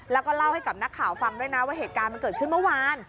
แล้วก็เล่าให้กับนักข่าวฟังด้วยนะว่าเหตุการณ์มันเกิดขึ้นเมื่อวาน